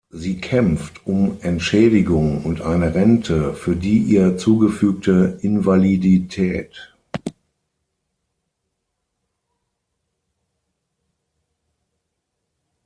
Sie kämpft um Entschädigung und eine Rente für die ihr zugefügte Invalidität.